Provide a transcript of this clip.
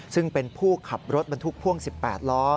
ซึ่งเป็นผู้ขับรถบรรทุกพ่วง๑๘ล้อ